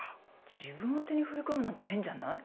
自分宛てに振り込むなんて変じゃない？